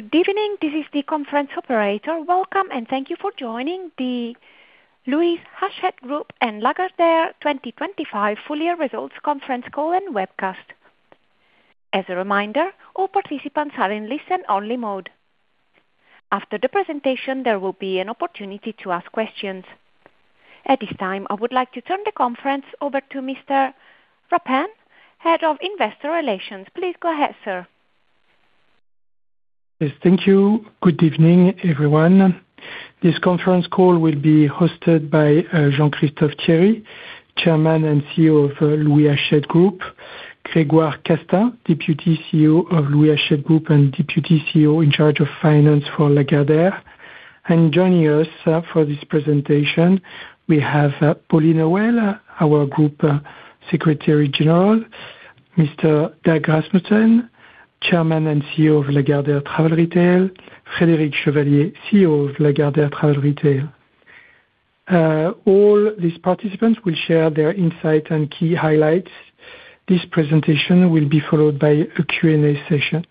Good evening. This is the conference operator. Welcome, and thank you for joining the Louis Hachette Group and Lagardère 2025 full year results conference call and webcast. As a reminder, all participants are in listen-only mode. After the presentation, there will be an opportunity to ask questions. At this time, I would like to turn the conference over to Mr. Rapin, Head of Investor Relations. Please go ahead, sir. Yes, thank you. Good evening, everyone. This conference call will be hosted by Jean-Christophe Thiery, Chairman and CEO of Louis Hachette Group. Grégoire Castaing, Deputy CEO of Louis Hachette Group and Deputy CEO in charge of finance for Lagardère. And joining us for this presentation, we have Pauline Hauwel, our Group Secretary General. Mr. Dag Rasmussen, Chairman and CEO of Lagardère Travel Retail. Frédéric Chevalier, CEO of Lagardère Travel Retail. All these participants will share their insight and key highlights. This presentation will be followed by a Q&A session.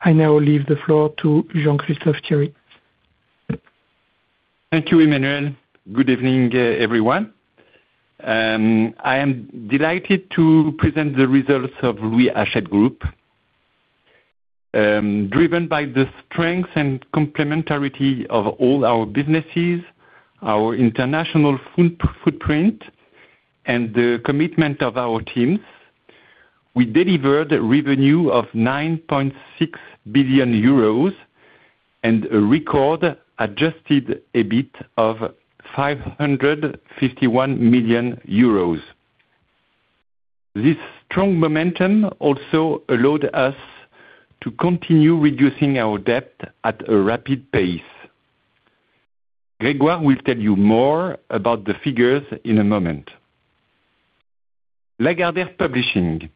I now leave the floor to Jean-Christophe Thiery. Thank you, Emmanuel. Good evening, everyone. I am delighted to present the results of Louis Hachette Group. Driven by the strength and complementarity of all our businesses, our international footprint, and the commitment of our teams, we delivered revenue of 9.6 billion euros and a record adjusted EBIT of 551 million euros. This strong momentum also allowed us to continue reducing our debt at a rapid pace. Grégoire will tell you more about the figures in a moment. Lagardère Publishing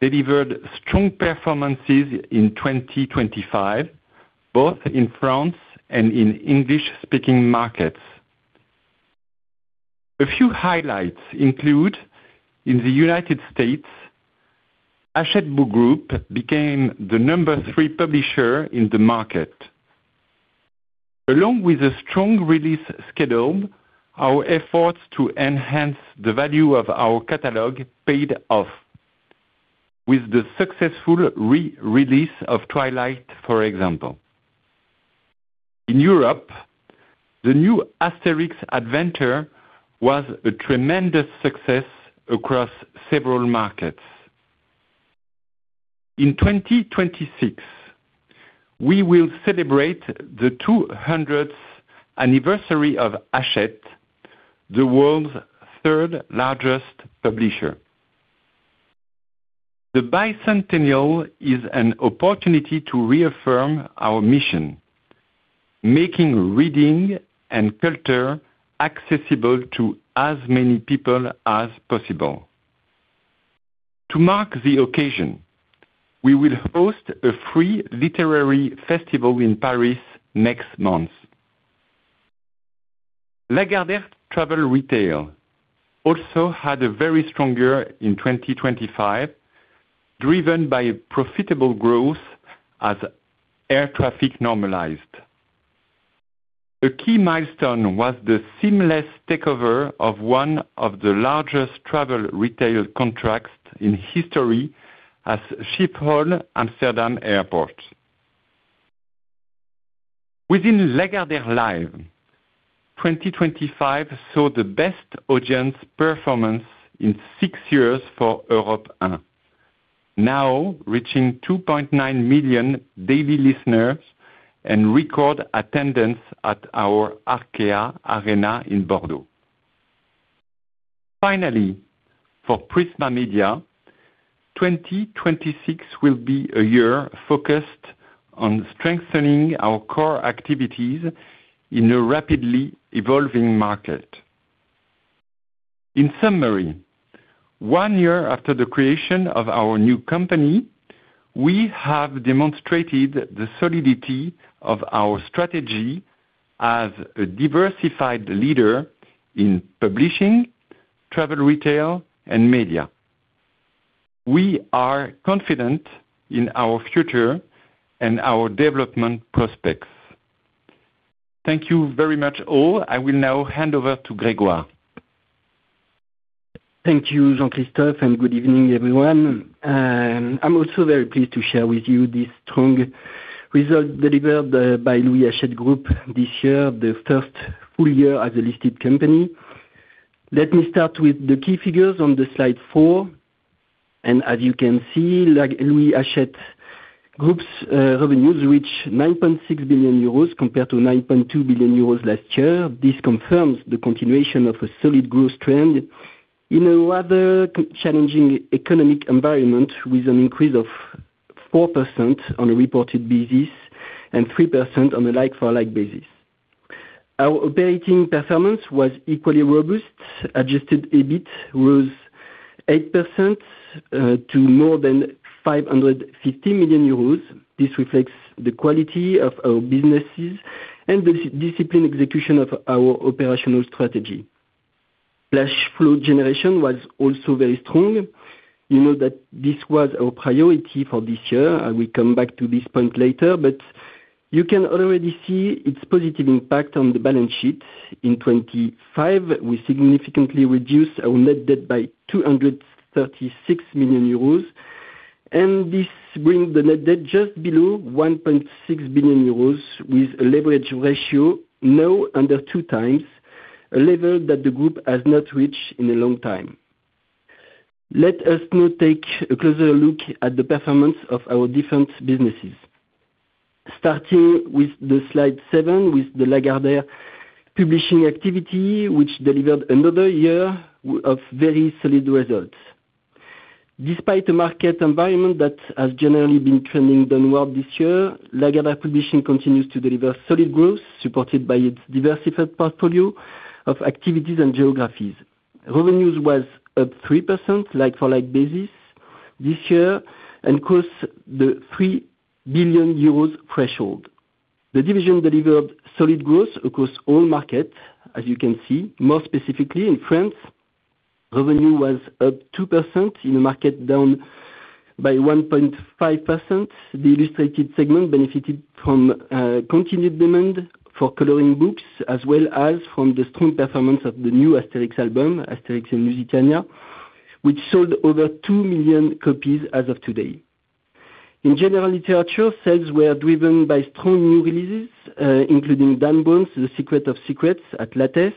delivered strong performances in 2025, both in France and in English-speaking markets. A few highlights include, in the United States, Hachette Book Group became the number three publisher in the market. Along with a strong release schedule, our efforts to enhance the value of our catalog paid off with the successful re-release of Twilight, for example. In Europe, the new Astérix adventure was a tremendous success across several markets. In 2026, we will celebrate the 200th anniversary of Hachette, the world's third largest publisher. The bicentennial is an opportunity to reaffirm our mission, making reading and culture accessible to as many people as possible. To mark the occasion, we will host a free literary festival in Paris next month. Lagardère Travel Retail also had a very strong year in 2025, driven by profitable growth as air traffic normalized. A key milestone was the seamless takeover of one of the largest travel retail contracts in history at Schiphol Airport. Within Lagardère Live, 2025 saw the best audience performance in six years for Europe 1, now reaching 2.9 million daily listeners and record attendance at our Arkéa Arena in Bordeaux. Finally, for Prisma Media, 2026 will be a year focused on strengthening our core activities in a rapidly evolving market. In summary, one year after the creation of our new company, we have demonstrated the solidity of our strategy as a diversified leader in publishing, travel retail, and media. We are confident in our future and our development prospects. Thank you very much, all. I will now hand over to Grégoire. Thank you, Jean-Christophe, and good evening, everyone. I'm also very pleased to share with you the strong results delivered by Louis Hachette Group this year, the first full year as a listed company. Let me start with the key figures on the slide four, and as you can see, like Louis Hachette Group's revenues reached 9.6 billion euros compared to 9.2 billion euros last year. This confirms the continuation of a solid growth trend in a rather challenging economic environment, with an increase of 4% on a reported basis and 3% on a like-for-like basis. Our operating performance was equally robust. Adjusted EBIT rose 8% to more than 550 million euros. This reflects the quality of our businesses and the discipline execution of our operational strategy.... Cash flow generation was also very strong. You know that this was our priority for this year. I will come back to this point later, but you can already see its positive impact on the balance sheet. In 2025, we significantly reduced our net debt by 236 million euros, and this brings the net debt just below 1.6 billion euros, with a leverage ratio now under 2x, a level that the group has not reached in a long time. Let us now take a closer look at the performance of our different businesses. Starting with the slide seven, with the Lagardère Publishing activity, which delivered another year of very solid results. Despite a market environment that has generally been trending downward this year, Lagardère Publishing continues to deliver solid growth, supported by its diversified portfolio of activities and geographies. Revenues was up 3% like-for-like basis this year and crossed the 3 billion euros threshold. The division delivered solid growth across all markets, as you can see. More specifically, in France, revenue was up 2% in a market down by 1.5%. The illustrated segment benefited from continued demand for coloring books, as well as from the strong performance of the new Astérix album, Astérix in Lutetia, which sold over 2 million copies as of today. In general literature, sales were driven by strong new releases, including Dan Brown's The Secret of Secrets, Atlantes,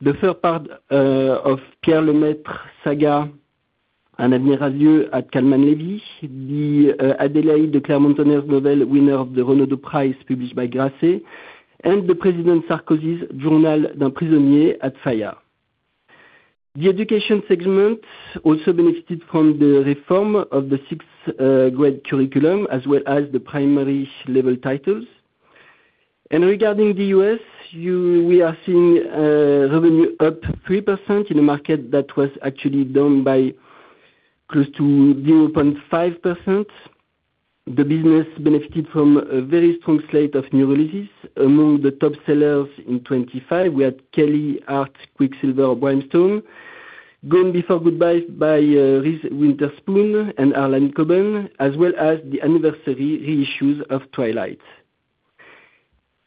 the third part of Pierre Lemaitre's saga, Un avenir radieux, at Calmann-Lévy. The Adélaïde de Clermont-Tonnerre novel, winner of the Renaudot Prize, published by Grasset, and the President Sarkozy's Journal d'un prisonnier at Fayard. The education segment also benefited from the reform of the sixth grade curriculum, as well as the primary level titles. Regarding the U.S., we are seeing revenue up 3% in a market that was actually down by close to 0.5%. The business benefited from a very strong slate of new releases. Among the top sellers in 2025, we had Callie Hart, Quicksilver Brimstone, Gone Before Goodbye by Reese Witherspoon and Harlan Coben, as well as the anniversary reissues of Twilight.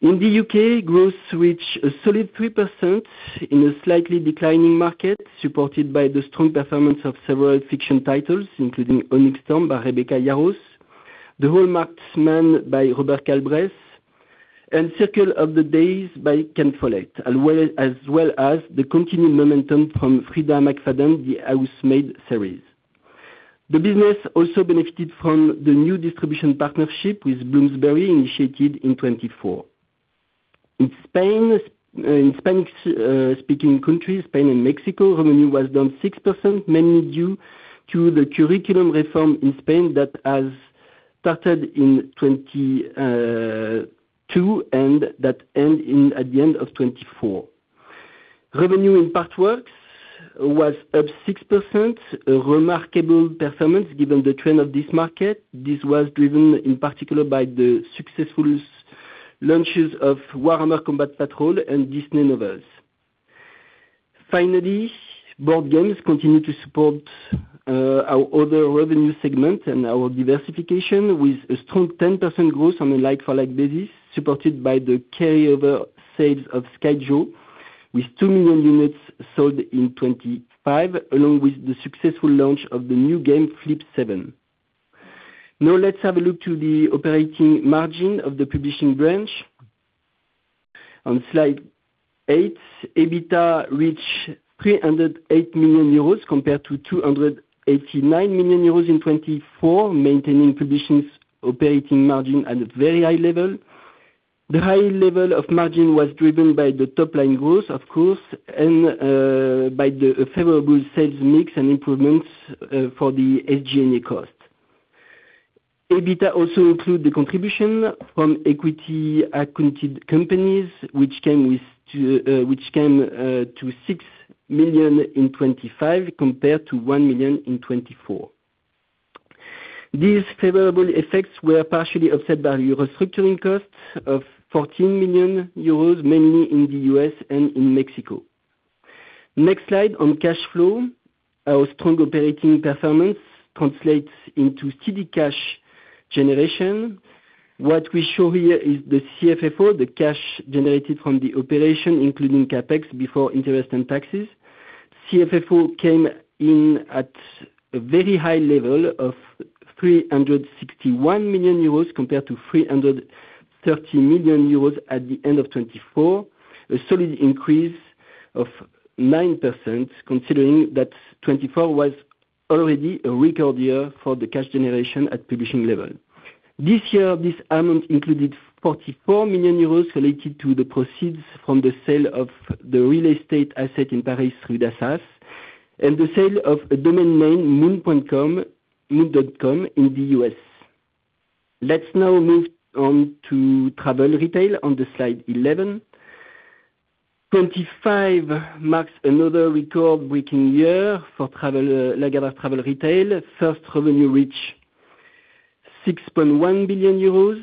In the U.K., growth reached a solid 3% in a slightly declining market, supported by the strong performance of several fiction titles, including Onyx Storm by Rebecca Yarros, The Hallmarked Man by Robert Galbraith, and Circle of Days by Ken Follett, as well as the continued momentum from Freida McFadden, the Housemaid series. The business also benefited from the new distribution partnership with Bloomsbury, initiated in 2024. In Spain, in Spanish-speaking countries, Spain and Mexico, revenue was down 6%, mainly due to the curriculum reform in Spain that has started in 2022, and that end in at the end of 2024. Revenue in partworks was up 6%, a remarkable performance given the trend of this market. This was driven in particular by the successful launches of Warhammer Combat Patrol and Disney Novels. Finally, board games continue to support our other revenue segment and our diversification with a strong 10% growth on a like-for-like basis, supported by the carryover sales of schedule, with 2 million units sold in 2025, along with the successful launch of the new game, Flip 7. Now let's have a look to the operating margin of the publishing branch. On Slide eight, EBITDA reached 308 million euros compared to 289 million euros in 2024, maintaining publishing's operating margin at a very high level. The high level of margin was driven by the top line growth, of course, and by the favorable sales mix and improvements for the SG&A costs. EBITDA also include the contribution from equity accounted companies, which came to 6 million in 2025, compared to 1 million in 2024. These favorable effects were partially offset by restructuring costs of 14 million euros, mainly in the U.S. and in Mexico. Next slide, on cash flow. Our strong operating performance translates into steady cash generation. What we show here is the CFFO, the cash generated from the operation, including CapEx, before interest and taxes. CFFO came in at a very high level of 361 million euros, compared to 330 million euros at the end of 2024, a solid increase of 9%, considering that 2024 was already a record year for the cash generation at publishing level. This year, this amount included 44 million euros related to the proceeds from the sale of the real estate asset in Paris, through Assas, and the sale of a domain name, moon.com, moon.com in the U.S. Let's now move on to travel retail on the slide 11. 2025 marks another record-breaking year for travel, Lagardère Travel Retail. First, revenue reached 6.1 billion euros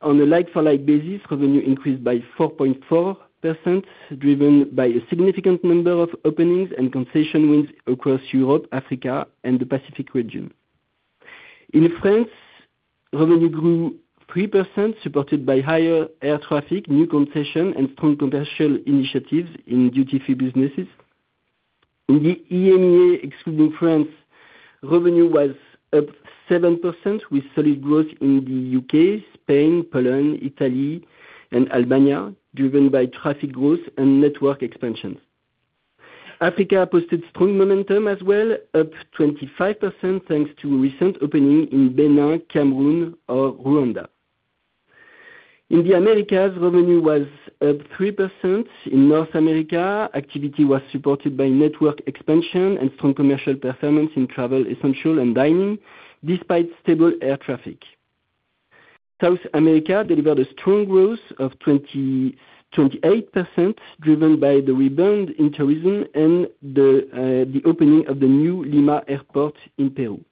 on a like-for-like basis, revenue increased by 4.4%, driven by a significant number of openings and concession wins across Europe, Africa, and the Pacific region. In France, revenue grew 3%, supported by higher air traffic, new concession, and strong commercial initiatives in duty-free businesses. In the EMEA, excluding France, revenue was up 7%, with solid growth in the U.K., Spain, Poland, Italy, and Albania, driven by traffic growth and network expansion. Africa posted strong momentum as well, up 25%, thanks to recent opening in Benin, Cameroon, or Rwanda. In the Americas, revenue was up 3%. In North America, activity was supported by network expansion and strong commercial performance in travel, essential, and dining, despite stable air traffic. South America delivered a strong growth of 28%, driven by the rebound in tourism and the opening of the new Lima airport in Peru.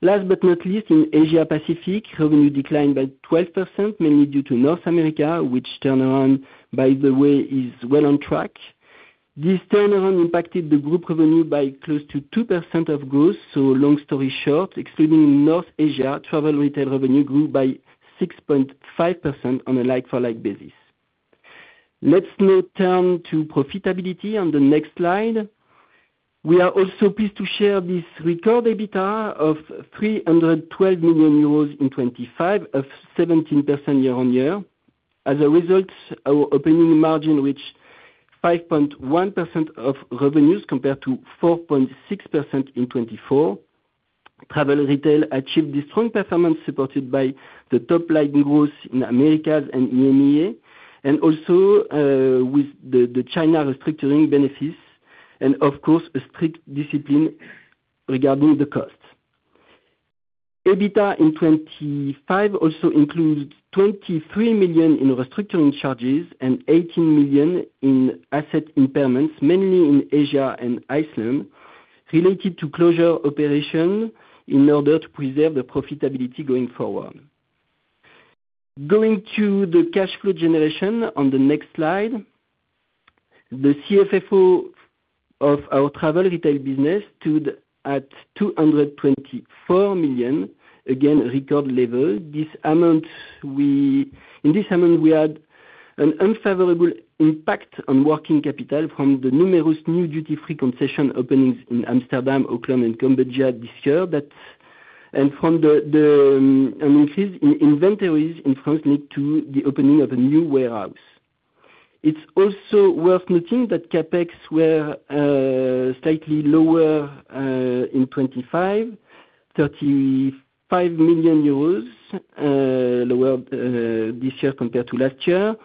Last but not least, in Asia Pacific, revenue declined by 12%, mainly due to North America, which turnaround, by the way, is well on track. This turnaround impacted the group revenue by close to 2% of growth. Long story short, excluding North Asia, travel retail revenue grew by 6.5% on a like-for-like basis. Let's now turn to profitability on the next slide. We are also pleased to share this record EBITDA of 312 million euros in 2025, up 17% year-over-year. As a result, our operating margin reached 5.1% of revenues compared to 4.6% in 2024. Travel retail achieved this strong performance, supported by the top line growth in Americas and EMEA, and also, with the China restructuring benefits and of course, a strict discipline regarding the cost. EBITDA in 2025 also includes 23 million in restructuring charges and 18 million in asset impairments, mainly in Asia and Iceland, related to closure operation in order to preserve the profitability going forward. Going to the cash flow generation on the next slide. The CFFO of our travel retail business stood at 224 million, again, record level. This amount, in this amount, we had an unfavorable impact on working capital from the numerous new duty-free concession openings in Amsterdam, Auckland, and Cambodia this year. But, and from an increase in inventories in France lead to the opening of a new warehouse. It's also worth noting that CapEx were slightly lower in 2025, 35 million euros lower this year compared to last year.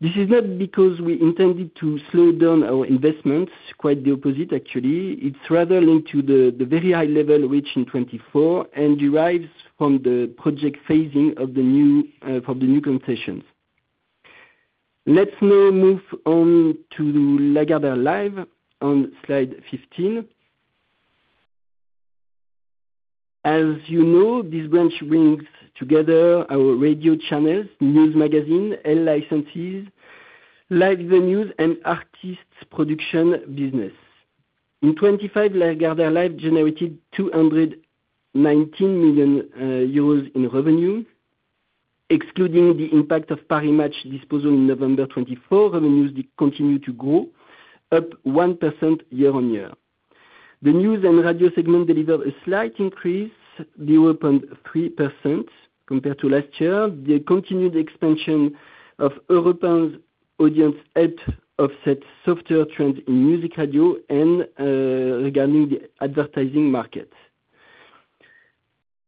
This is not because we intended to slow down our investments. Quite the opposite, actually. It's rather linked to the very high level reached in 2024 and derives from the project phasing of the new concessions. Let's now move on to Lagardère Live on slide 15. As you know, this branch brings together our radio channels, news magazine, and licensees, Live venues, and artists production business. In 2025, Lagardère Live generated 219 million euros in revenue, excluding the impact of Paris Match disposal in November 2024. Revenues did continue to grow, up 1% year-on-year. The news and radio segment delivered a slight increase, 0.3% compared to last year. The continued expansion of Europe 1's audience helped offset softer trends in music radio and regarding the advertising market.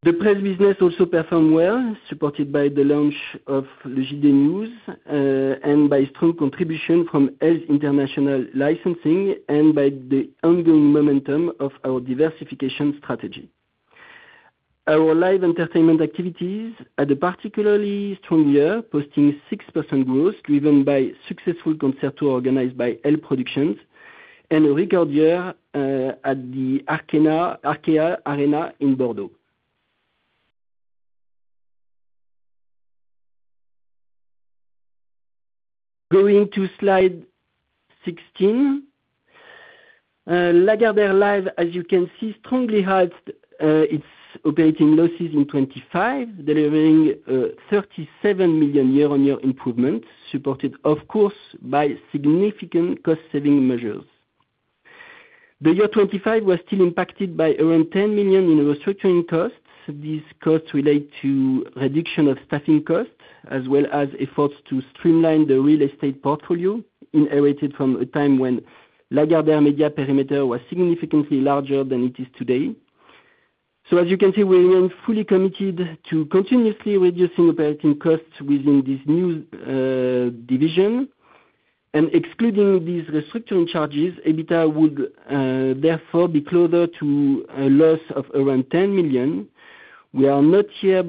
The press business also performed well, supported by the launch of JDNews, and by strong contribution from Elle International licensing, and by the ongoing momentum of our diversification strategy. Our Live Entertainment activities had a particularly strong year, posting 6% growth, driven by successful concert tour organized by L Productions, and a record year at the Arkéa Arena in Bordeaux. Going to slide 16. Lagardère Live, as you can see, strongly had its operating losses in 2025, delivering 37 million year-on-year improvement, supported, of course, by significant cost-saving measures. The year 2025 was still impacted by around 10 million in restructuring costs. These costs relate to reduction of staffing costs, as well as efforts to streamline the real estate portfolio, inherited from a time when Lagardère Media perimeter was significantly larger than it is today. So as you can see, we are fully committed to continuously reducing operating costs within this new division. Excluding these restructuring charges, EBITDA would therefore be closer to a loss of around 10 million. We are not yet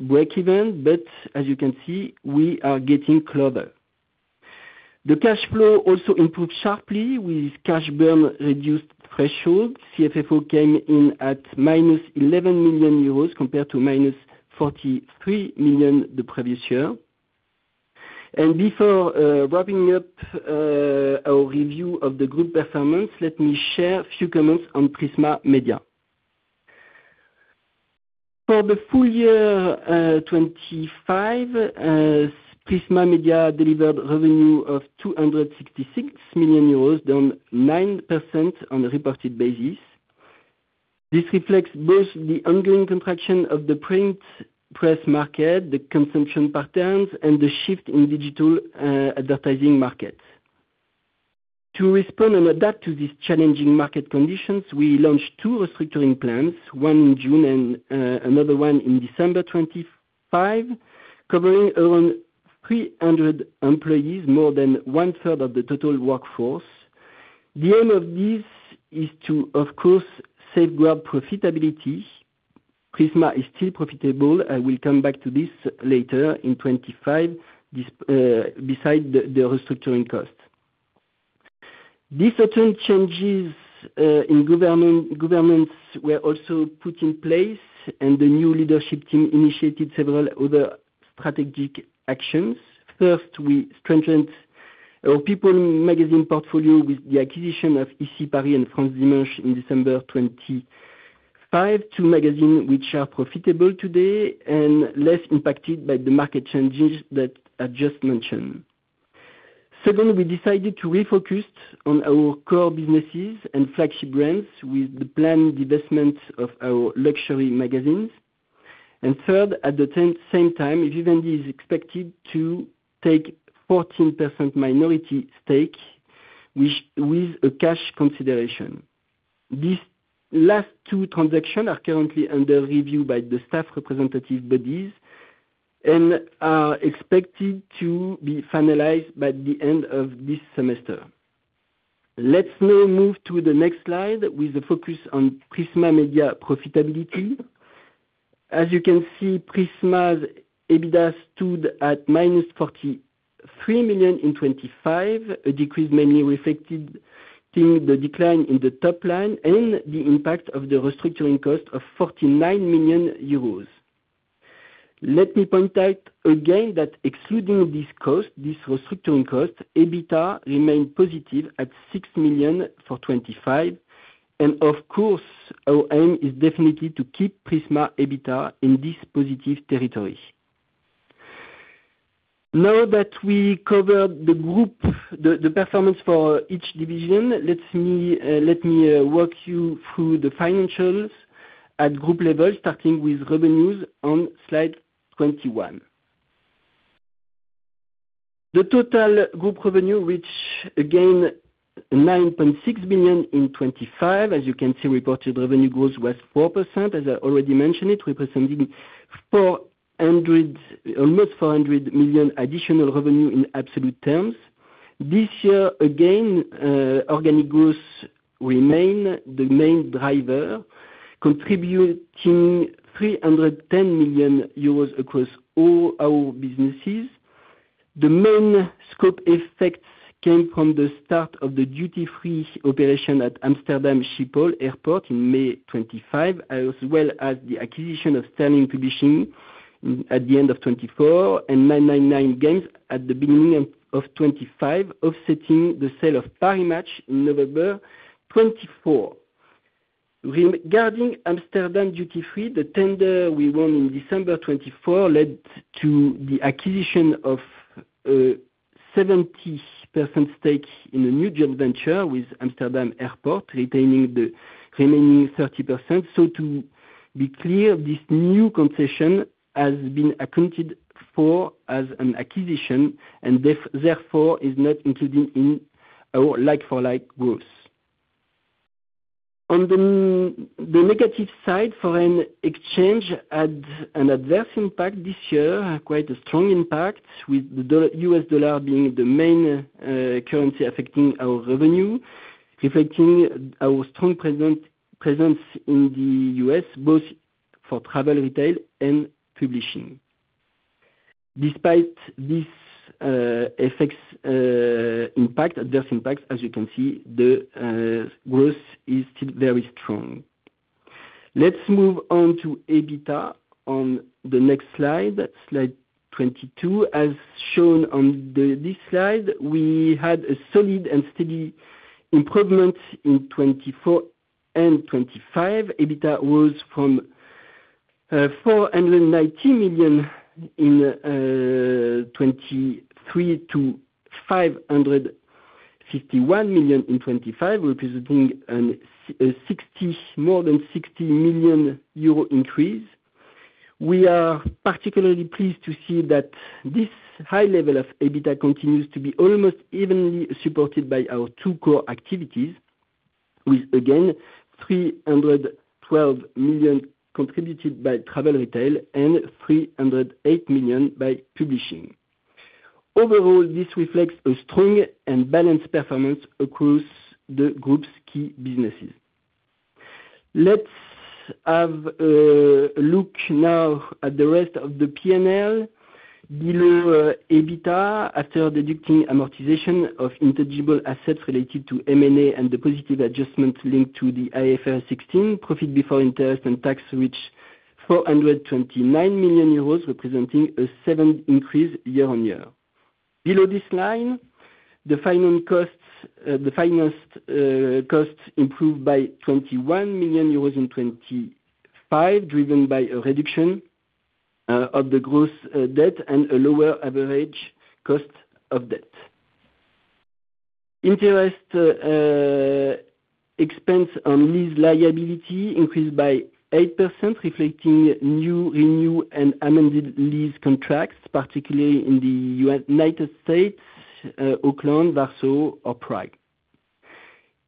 breakeven, but as you can see, we are getting closer. The cash flow also improved sharply with cash burn reduced threshold. CFFO came in at -11 million euros compared to -43 million the previous year. Before wrapping up our review of the group performance, let me share a few comments on Prisma Media. For the full year 2025, Prisma Media delivered revenue of 266 million euros, down 9% on a reported basis. This reflects both the ongoing contraction of the print press market, the consumption patterns, and the shift in digital advertising markets. To respond and adapt to these challenging market conditions, we launched two restructuring plans, one in June and another one in December 2025, covering around 300 employees, more than 1/3 of the total workforce. The aim of this is to, of course, safeguard profitability. Prisma is still profitable. I will come back to this later in 2025, this beside the restructuring cost. These certain changes in governance were also put in place, and the new leadership team initiated several other strategic actions. First, we strengthened our people magazine portfolio with the acquisition of Ici Paris and France Dimanche in December 2025, two magazines which are profitable today and less impacted by the market changes that I've just mentioned. Second, we decided to refocus on our core businesses and flagship brands with the planned divestment of our luxury magazines. Third, at the same time, Vivendi is expected to take 14% minority stake, which, with a cash consideration. These last two transactions are currently under review by the staff representative bodies and are expected to be finalized by the end of this semester. Let's now move to the next slide with a focus on Prisma Media profitability. As you can see, Prisma's EBITDA stood at -43 million in 2025, a decrease mainly reflected in the decline in the top line and the impact of the restructuring cost of 49 million euros. Let me point out again that excluding this cost, this restructuring cost, EBITDA remained positive at 6 million for 2025. Of course, our aim is definitely to keep Prisma EBITDA in this positive territory. Now that we covered the group, the performance for each division, let me walk you through the financials at group level, starting with revenues on slide 21. The total group revenue, which again, 9.6 billion in 2025. As you can see, reported revenue growth was 4%, as I already mentioned it, representing 400, almost 400 million additional revenue in absolute terms. This year, again, organic growth remain the main driver, contributing 310 million euros across all our businesses. The main scope effects came from the start of the duty-free operation at Amsterdam Schiphol Airport in May 2025, as well as the acquisition of Sterling Publishing at the end of 2024, and 999 Games at the beginning of 2025, offsetting the sale of Paris Match in November 2024. Regarding Amsterdam duty-free, the tender we won in December 2024 led to the acquisition of a 70% stake in a new joint venture, with Amsterdam Airport retaining the remaining 30%. So to be clear, this new concession has been accounted for as an acquisition and therefore is not included in our like-for-like growth. On the negative side, foreign exchange had an adverse impact this year, quite a strong impact, with the U.S. dollar being the main currency affecting our revenue, reflecting our strong presence in the U.S., both for travel retail and publishing. Despite this effects impact, adverse impacts, as you can see, the growth is still very strong. Let's move on to EBITDA on the next slide, slide 22. As shown on this slide, we had a solid and steady improvement in 2024 and 2025. EBITDA was from 490 million in 2023 to 551 million in 2025, representing a 60 million, more than 60 million euro increase. We are particularly pleased to see that this high level of EBITDA continues to be almost evenly supported by our two core activities, with again, 312 million contributed by travel retail and 308 million by publishing. Overall, this reflects a strong and balanced performance across the group's key businesses. Let's have a look now at the rest of the P&L below EBITDA, after deducting amortization of intangible assets related to M&A and the positive adjustment linked to the IFRS 16, profit before interest and tax reached 429 million euros, representing a 7% increase year-on-year. Below this line, the finance costs, the finance costs improved by 21 million euros in 2025, driven by a reduction of the gross debt and a lower average cost of debt. Interest expense on lease liability increased by 8%, reflecting new, renew and amended lease contracts, particularly in the U.S.-United States, Auckland, Warsaw or Prague.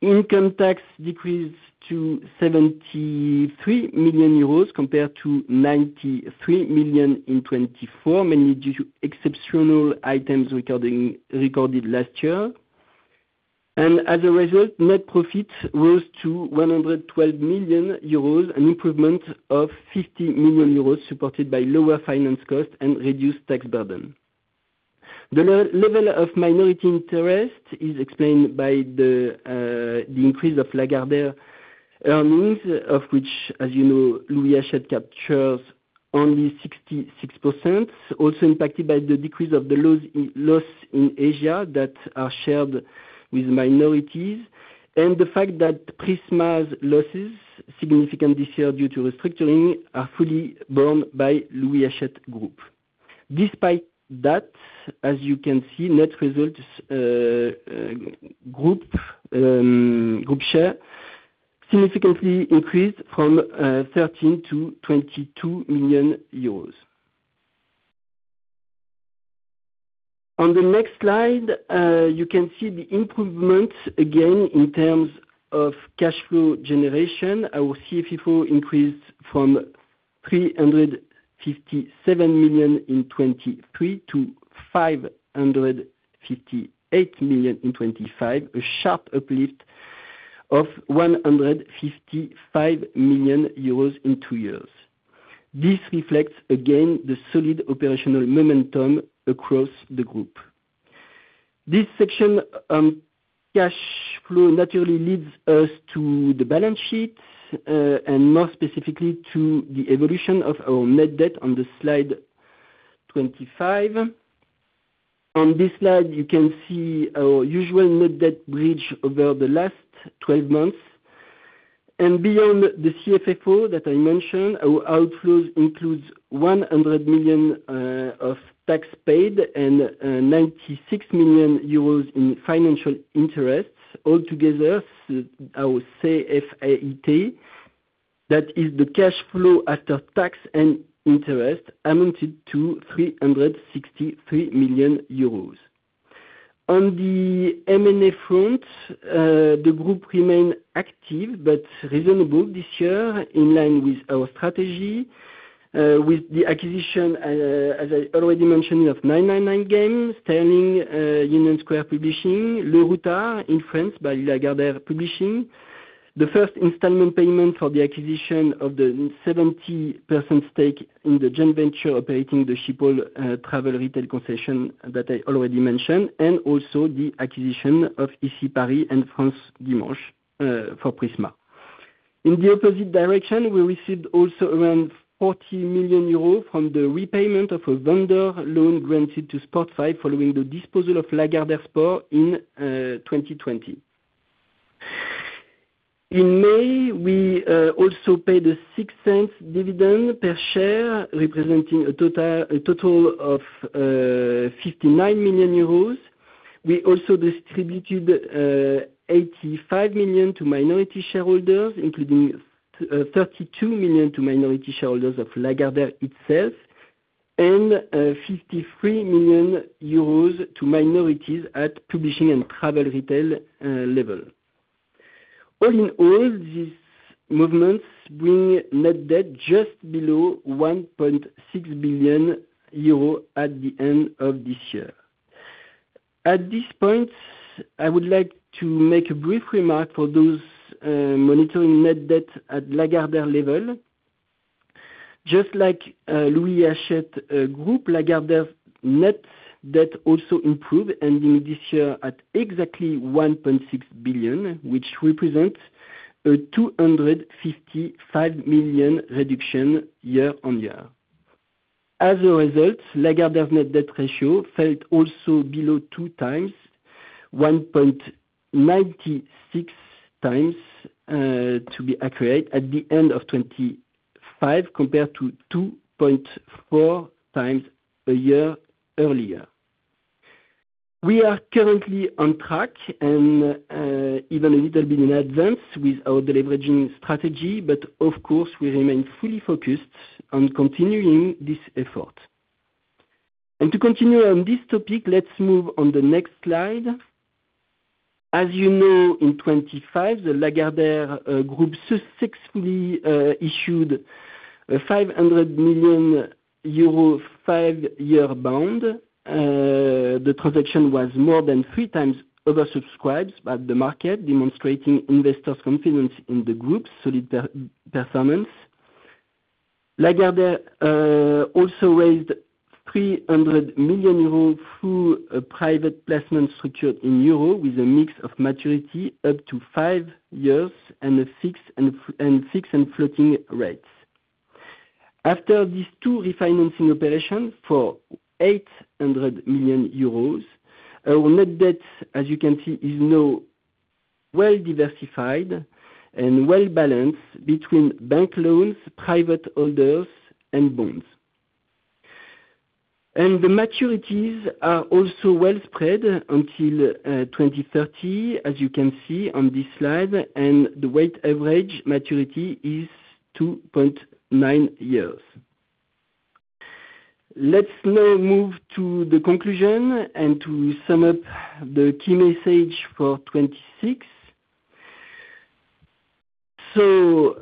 Income tax decreased to 73 million euros compared to 93 million in 2024, mainly due to exceptional items recorded last year. And as a result, net profit rose to 112 million euros, an improvement of 50 million euros, supported by lower finance costs and reduced tax burden. The level of minority interest is explained by the, the increase of Lagardère earnings, of which, as you know, Louis Hachette captures only 66%, also impacted by the decrease of the loss in Asia that are shared with minorities, and the fact that Prisma's losses, significant this year due to restructuring, are fully borne by Louis Hachette Group. Despite that, as you can see, net results group share significantly increased from 13 million to 22 million euros. On the next slide, you can see the improvement again, in terms of cash flow generation. Our CFFO increased from 357 million in 2023 to 558 million in 2025, a sharp uplift of 155 million euros in two years. This reflects, again, the solid operational momentum across the group. This section on cash flow naturally leads us to the balance sheet, and more specifically to the evolution of our net debt on the slide 25. On this slide, you can see our usual net debt bridge over the last 12 months. Beyond the CFFO that I mentioned, our outflows includes 100 million of tax paid and 96 million euros in financial interests. Altogether, our CFAIT, that is the cash flow after tax and interest, amounted to 363 million euros. On the M&A front, the group remain active but reasonable this year, in line with our strategy, with the acquisition, as I already mentioned, of 999 Games, Sterling Publishing, Union Square Publishing, Le Routard in France by Lagardère Publishing. The first installment payment for the acquisition of the 70% stake in the joint venture operating the Schiphol travel retail concession that I already mentioned, and also the acquisition of Ici Paris and France Dimanche for Prisma. In the opposite direction, we received also around 40 million euros from the repayment of a vendor loan granted to SPORTFIVE, following the disposal of Lagardère Sport in 2020. In May, we also paid a 0.06 dividend per share, representing a total of 59 million euros. We also distributed 85 million to minority shareholders, including 32 million to minority shareholders of Lagardère itself, and 53 million euros to minorities at publishing and travel retail level. All in all, these movements bring net debt just below 1.6 billion euros at the end of this year. At this point, I would like to make a brief remark for those monitoring net debt at Lagardère level. Just like Louis Hachette Group, Lagardère net debt also improved, ending this year at exactly 1.6 billion, which represents a 255 million reduction year-on-year. As a result, Lagardère net debt ratio fell also below 2x, 1.96x to be accurate, at the end of 2025, compared to 2.4x a year earlier. We are currently on track and even a little bit in advance with our deleveraging strategy, of course, we remain fully focused on continuing this effort. To continue on this topic, let's move on the next slide. As you know, in 2025, the Lagardère Group successfully issued a 500 million euro, five-year bond. The transaction was more than 3x oversubscribed by the market, demonstrating investors' confidence in the group's solid performance. Lagardère also raised 300 million euros through a private placement structured in euro, with a mix of maturity up to five years, and six and floating rates. After these two refinancing operations for 800 million euros, our net debt, as you can see, is now well diversified and well balanced between bank loans, private holders, and bonds. The maturities are also well spread until 2030, as you can see on this slide, and the weighted average maturity is 2.9 years. Let's now move to the conclusion, and to sum up the key message for 2026. So,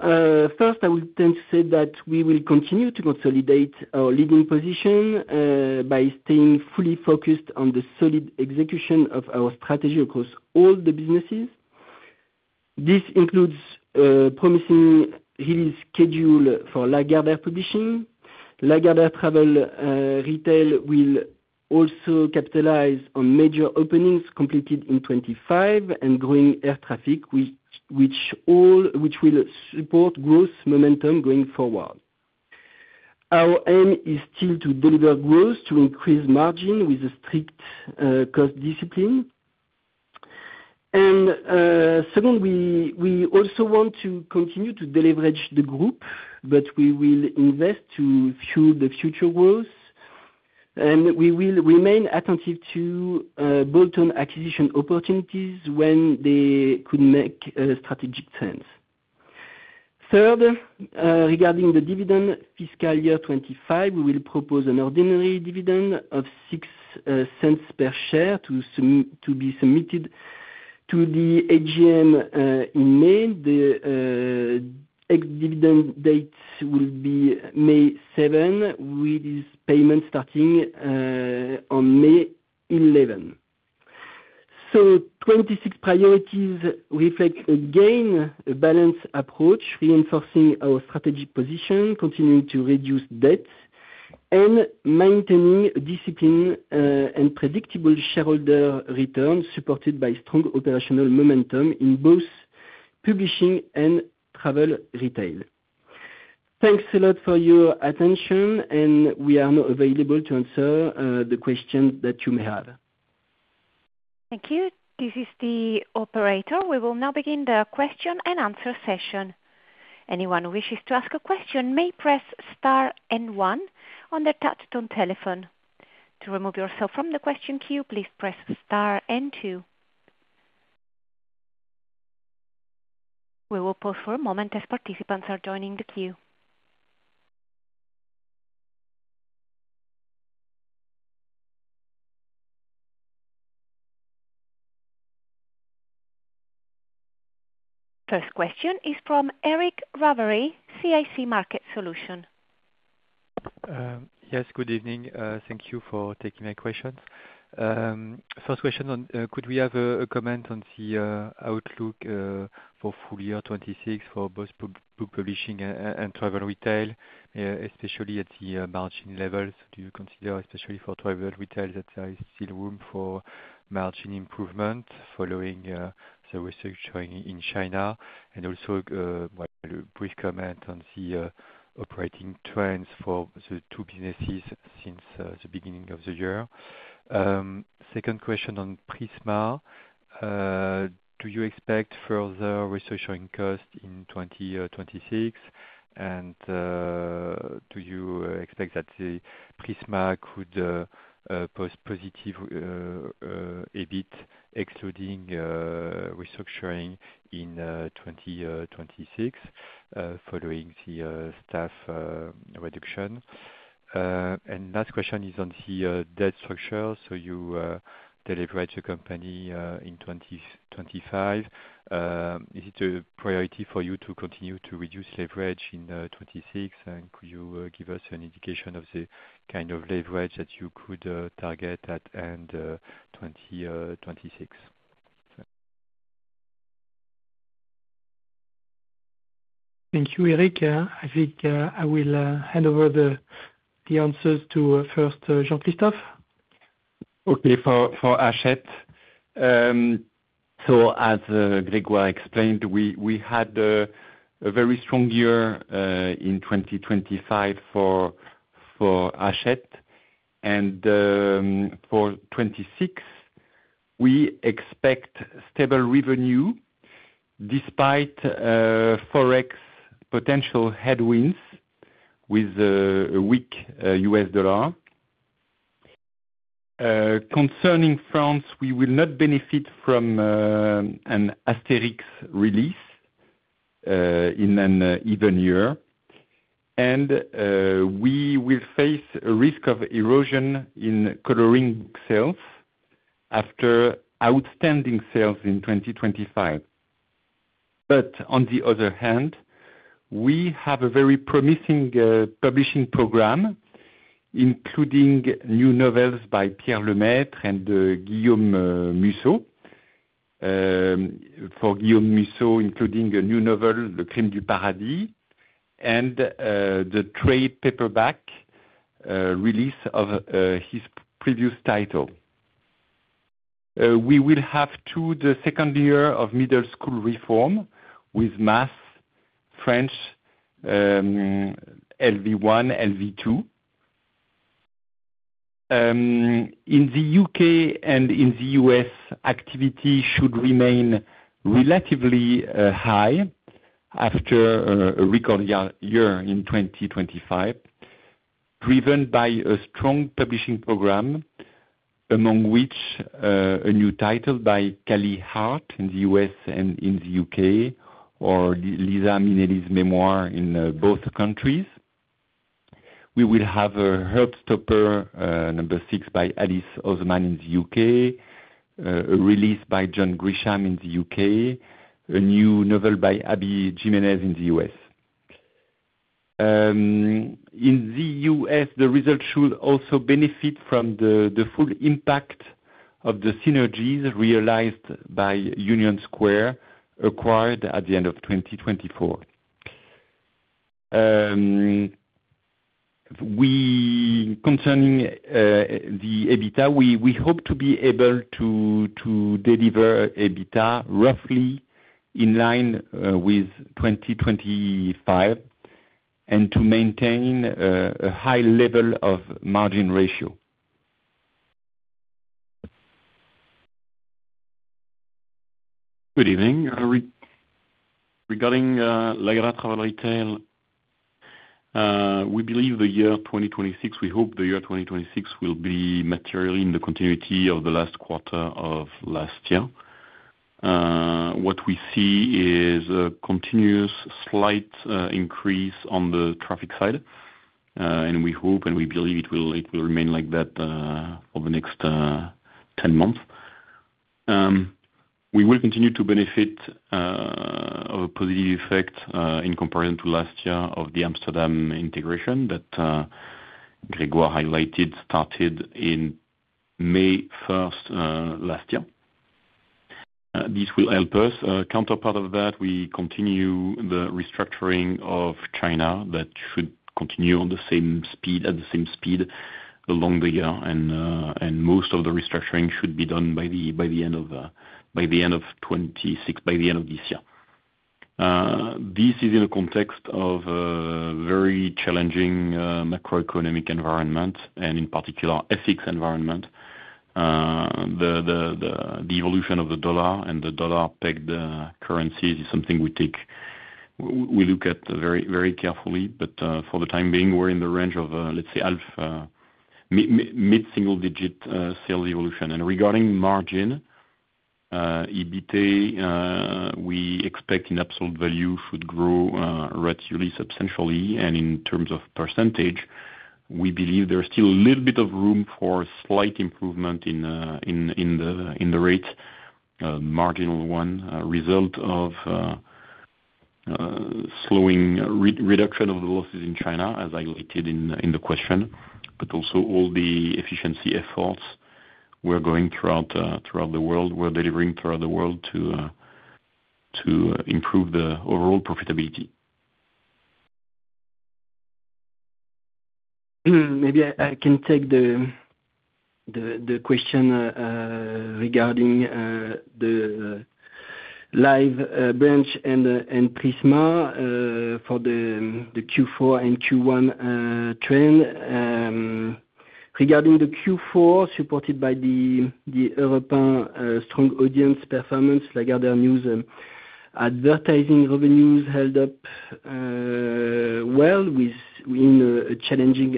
first, I would then say that we will continue to consolidate our leading position, by staying fully focused on the solid execution of our strategy across all the businesses. This includes, promising scheduling for Lagardère Publishing. Lagardère Travel Retail will also capitalize on major openings completed in 2025, and growing air traffic, which will support growth momentum going forward. Our aim is still to deliver growth, to increase margin with a strict, cost discipline. And, second, we also want to continue to deleverage the group, but we will invest to fuel the future growth. And we will remain attentive to, bolt-on acquisition opportunities when they could make, strategic sense. Third, regarding the dividend, fiscal year 2025, we will propose an ordinary dividend of 0.06 per share to be submitted to the AGM in May. The ex-dividend date will be May 7, with this payment starting on May 11. So 2026 priorities reflect, again, a balanced approach, reinforcing our strategic position, continuing to reduce debt, and maintaining discipline and predictable shareholder returns, supported by strong operational momentum in both publishing and travel retail. Thanks a lot for your attention, and we are now available to answer the questions that you may have. Thank you. This is the operator. We will now begin the question and answer session. Anyone who wishes to ask a question may press star and one on their touchtone telephone. To remove yourself from the question queue, please press star and two. We will pause for a moment as participants are joining the queue. First question is from Eric Ravary, CIC Market Solutions. Yes, good evening. Thank you for taking my questions. First question on, could we have a comment on the outlook for full year 2026 for both book publishing and travel retail, especially at the margin levels? Do you consider, especially for travel retail, that there is still room for margin improvement following the restructuring in China? Also, well, a brief comment on the operating trends for the two businesses since the beginning of the year. Second question on Prisma. Do you expect further restructuring costs in 2026? Do you expect that Prisma could post positive EBIT, excluding restructuring in 2026, following the staff reduction? Last question is on the debt structure. You deleveraged the company in 2025. Is it a priority for you to continue to reduce leverage in 2026? And could you give us an indication of the kind of leverage that you could target at end 2026? Thank you, Eric. I think, I will hand over the, the answers to first, Jean-Christophe. Okay, for Hachette. So as Grégoire explained, we had a very strong year in 2025 for Hachette. And for 2026, we expect stable revenue, despite FX potential headwinds with a weak U.S. dollar. Concerning France, we will not benefit from an Astérix release in an even year. And we will face a risk of erosion in coloring sales after outstanding sales in 2025. But on the other hand, we have a very promising publishing program, including new novels by Pierre Lemaitre and Guillaume Musso. For Guillaume Musso, including a new novel, Le Crime du paradis, and the trade paperback release of his previous title. We will have the second year of middle school reform with Maths, French, LV1, LV2. In the U.K. and in the U.S., activity should remain relatively high after a record year in 2025, driven by a strong publishing program, among which a new title by Callie Hart in the U.S. and in the U.K., or Liza Minnelli's memoir in both countries. We will have Heartstopper number six by Alice Oseman in the U.K., a release by John Grisham in the U.K., a new novel by Abby Jimenez in the U.S. In the U.S., the result should also benefit from the full impact of the synergies realized by Union Square, acquired at the end of 2024. Concerning the EBITDA, we hope to be able to deliver EBITDA roughly in line with 2025, and to maintain a high level of margin ratio. Good evening. Regarding Lagardère Travel Retail, we believe the year 2026, we hope the year 2026 will be materially in the continuity of the last quarter of last year. What we see is a continuous slight increase on the traffic side, and we hope, and we believe it will, it will remain like that, for the next 10 months. We will continue to benefit a positive effect, in comparison to last year, of the Amsterdam integration that Grégoire highlighted, started in May 1, last year. This will help us. Counterpart of that, we continue the restructuring of China. That should continue on the same speed, at the same speed along the year, and most of the restructuring should be done by the end of 2026, by the end of this year. This is in the context of a very challenging macroeconomic environment, and in particular, FX environment. The evolution of the dollar and the dollar-pegged currencies is something we look at very, very carefully, but for the time being, we're in the range of, let's say, mid-single-digit sales evolution. And regarding margin, EBITDA, we expect in absolute value should grow relatively substantially. In terms of percentage, we believe there is still a little bit of room for slight improvement in the rate, marginal one, result of slowing reduction of the losses in China, as highlighted in the question. But also all the efficiency efforts we're going throughout the world, we're delivering throughout the world to improve the overall profitability. Maybe I can take the question regarding the Live branch and Prisma for the Q4 and Q1 trend. Regarding the Q4, supported by the Europe 1 strong audience performance, Lagardère News, advertising revenues held up well within a challenging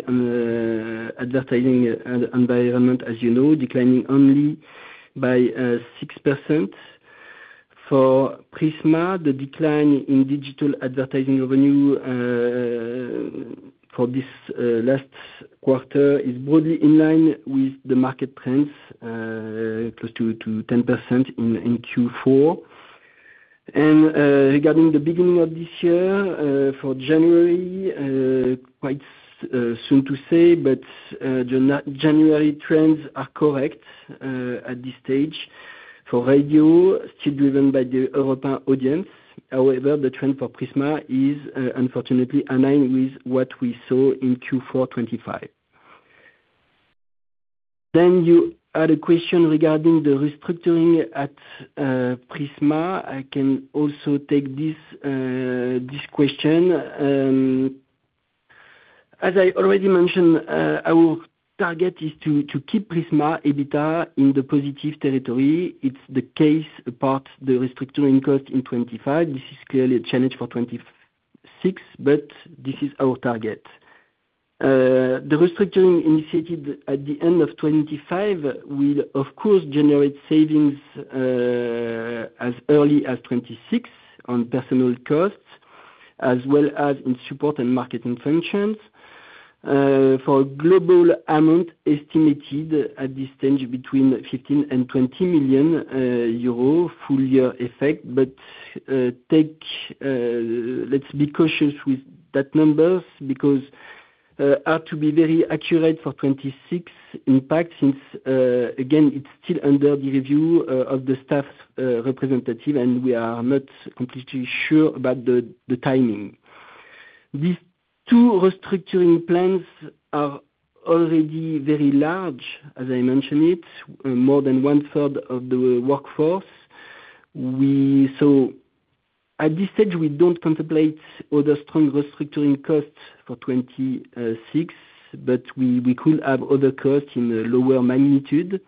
advertising environment, as you know, declining only by 6%. For Prisma, the decline in digital advertising revenue for this last quarter is broadly in line with the market trends, close to 10% in Q4. Regarding the beginning of this year for January, quite soon to say, but January trends are correct at this stage. For radio, still driven by the European audience, however, the trend for Prisma is, unfortunately aligned with what we saw in Q4 2025. Then you had a question regarding the restructuring at, Prisma. I can also take this, this question. As I already mentioned, our target is to keep Prisma EBITDA in the positive territory. It's the case, apart the restructuring cost in 2025. This is clearly a challenge for 2026, but this is our target. The restructuring initiated at the end of 2025 will of course generate savings, as early as 2026 on personnel costs.... as well as in support and marketing functions, for a global amount estimated at this stage between 15 million and 20 million euro full year effect. But let's be cautious with that numbers because we are to be very accurate for 2026 impact, since again, it's still under the review of the staff representative, and we are not completely sure about the timing. These two restructuring plans are already very large, as I mentioned it, more than 1/3 of the workforce. So at this stage, we don't contemplate other strong restructuring costs for 2026, but we could have other costs in a lower magnitude.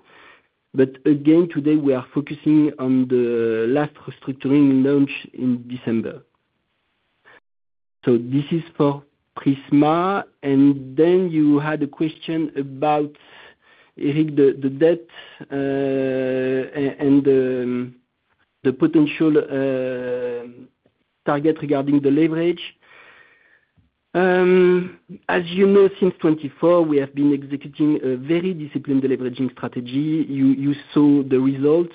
But again, today, we are focusing on the last restructuring launch in December. So this is for Prisma, and then you had a question about, I think, the debt and the potential target regarding the leverage. As you know, since 2024, we have been executing a very disciplined deleveraging strategy. You saw the results.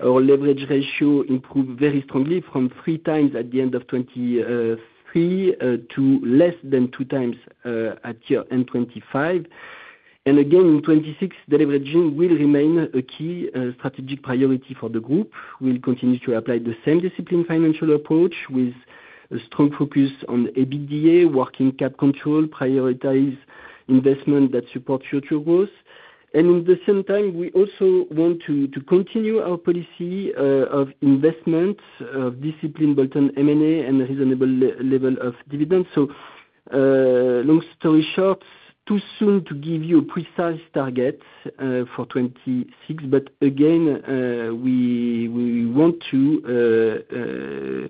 Our leverage ratio improved very strongly from 3x at the end of 2023 to less than 2x at year end 2025. And again, in 2026, deleveraging will remain a key strategic priority for the group. We'll continue to apply the same disciplined financial approach with a strong focus on EBITDA, working capital control, prioritize investment that supports future growth. And in the same time, we also want to continue our policy of investment, of disciplined bolt-on M&A, and a reasonable level of dividends. So, long story short, too soon to give you a precise target for 2026. But again, we want to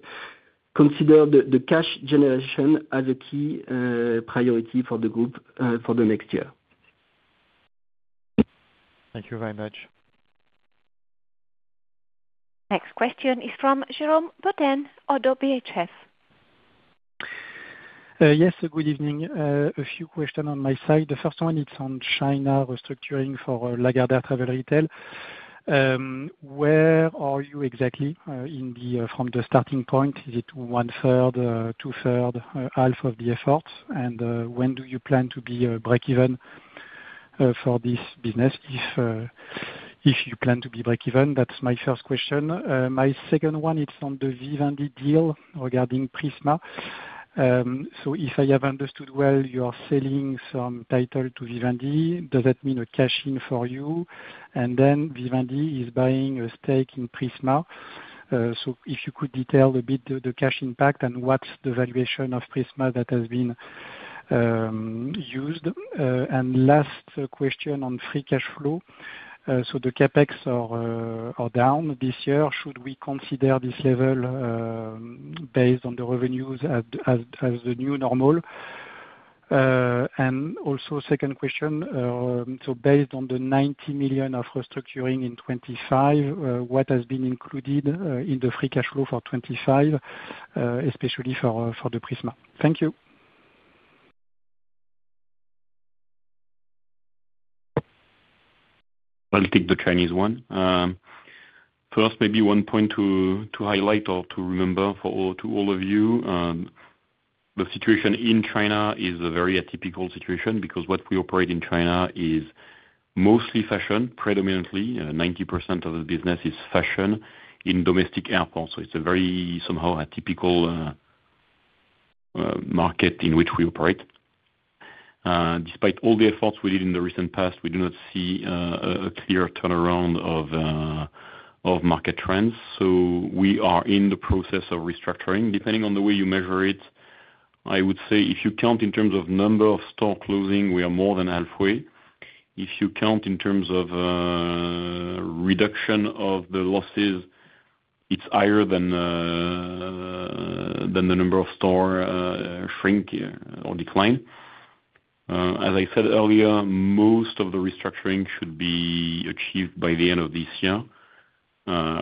consider the cash generation as a key priority for the group for the next year. Thank you very much. Next question is from Jérôme Bodin, Oddo BHF. Yes, good evening. A few questions on my side. The first one, it's on China restructuring for Lagardère Travel Retail. Where are you exactly, from the starting point? Is it 1/3, 2/3, half of the efforts? When do you plan to be breakeven for this business, if you plan to be breakeven? That's my first question. My second one is on the Vivendi deal regarding Prisma. If I have understood well, you are selling some titles to Vivendi. Does that mean a cashing for you? Vivendi is buying a stake in Prisma. If you could detail a bit the cash impact and what's the valuation of Prisma that has been used. Last question on free cash flow. So the CapEx are down this year, should we consider this level based on the revenues as the new normal? And also second question, so based on the 90 million of restructuring in 2025, what has been included in the free cash flow for 2025, especially for the Prisma? Thank you. I'll take the Chinese one. First, maybe one point to highlight or to remember for all, to all of you, the situation in China is a very atypical situation because what we operate in China is mostly fashion, predominantly, 90% of the business is fashion in domestic airports. It's a very, somehow, atypical market in which we operate. Despite all the efforts we did in the recent past, we do not see a clear turnaround of market trends, so we are in the process of restructuring. Depending on the way you measure it, I would say, if you count in terms of number of store closing, we are more than halfway. If you count in terms of reduction of the losses, it's higher than the number of store shrink or decline. As I said earlier, most of the restructuring should be achieved by the end of this year.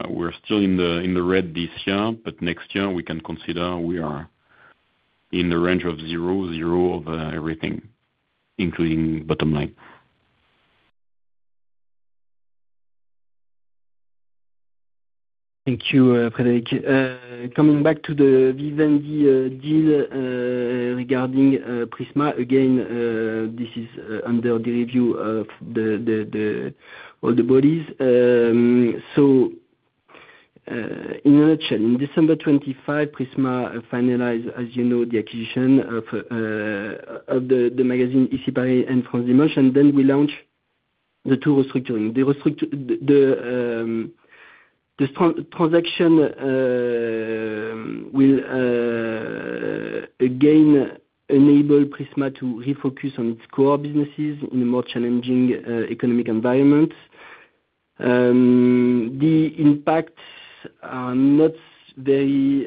We're still in the red this year, but next year, we can consider we are in the range of zero, zero over everything, including bottom line. Thank you, Frédéric. Coming back to the Vivendi deal regarding Prisma, again, this is under the review of the all the bodies. So, in a nutshell, in December 2025, Prisma finalized, as you know, the acquisition of the magazine, Ici Paris and France Dimanche, and then we launched the two restructuring. The transaction will again enable Prisma to refocus on its core businesses in a more challenging economic environment. The impact are not very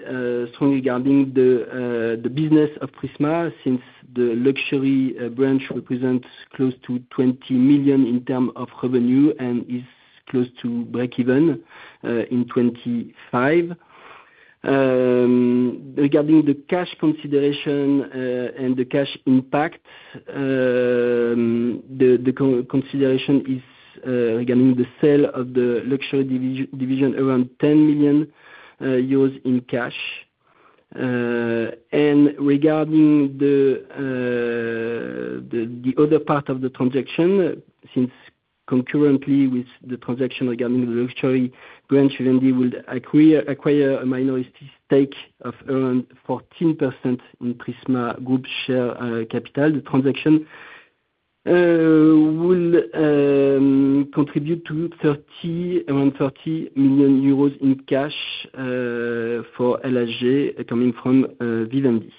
strong regarding the business of Prisma, since the luxury branch represents close to 20 million in term of revenue and is close to breakeven in 2025. Regarding the cash consideration and the cash impact, the consideration is regarding the sale of the luxury division, around 10 million euros in cash. And regarding the other part of the transaction, since concurrently with the transaction regarding the luxury branch, Vivendi will acquire a minority stake of around 14% in Prisma Media share capital. The transaction will contribute to around 30 million in cash for LHG coming from Vivendi.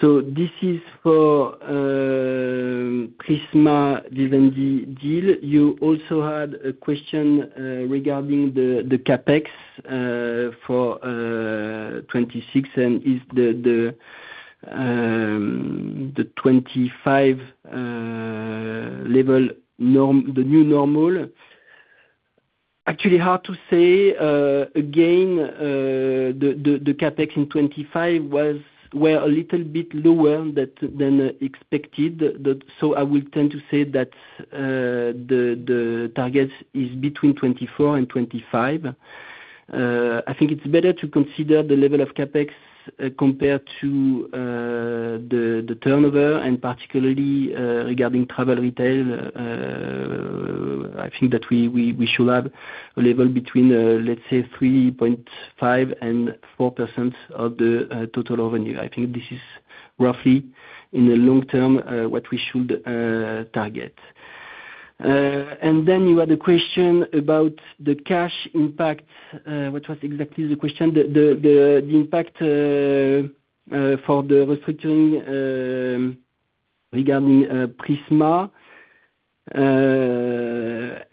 So this is for the Prisma Vivendi deal. You also had a question regarding the CapEx for 2026, and is the 2025 level the new normal? Actually hard to say. Again, the CapEx in 2025 was a little bit lower than expected. So I will tend to say that the target is between 2024 and 2025. I think it's better to consider the level of CapEx compared to the turnover and particularly regarding travel retail. I think that we should have a level between, let's say, 3.5% and 4% of the total revenue. I think this is roughly in the long term what we should target. And then you had a question about the cash impact. What was exactly the question? The impact for the restructuring regarding Prisma.